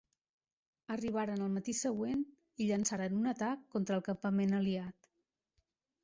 Arribaren el matí següent i llençaren un atac contra el campament aliat.